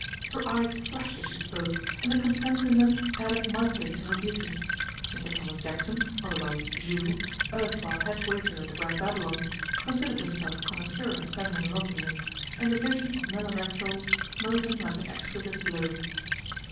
Her eyes flashed as she spoke, and the contempt in them added mightily to her beauty. Mr Thomas Jackson, otherwise Jules, erstwhile head waiter at the Grand Babylon, considered himself a connoisseur in feminine loveliness, and the vision of Nella Racksole smote him like an exquisite blow.